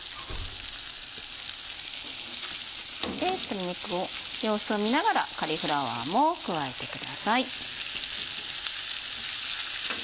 そして鶏肉の様子を見ながらカリフラワーも加えてください。